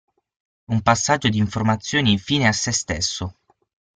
Un passaggio di informazioni fine a sé stesso.